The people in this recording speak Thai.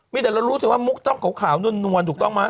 มีแต่เรารู้สึกว่ามุกต้องขาวนวลถูกต้องไหม